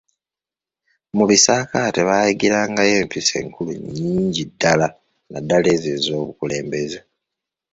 Mu bisaakaate baayigirangayo empisa enkulu nnyingi ddala naddala ezo ez’obukulembeze.